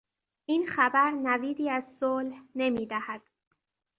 این خبر نویدی از صلح نمیدهد.